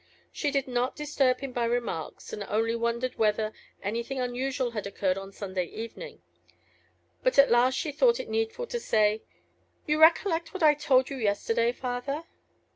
She did not disturb him by remarks, and only wondered whether anything unusual had occurred on Sunday evening. But at last she thought it needful to say, "You recollect what I told you yesterday, father?"